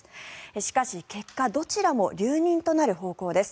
しかし、結果どちらも留任となる方向です。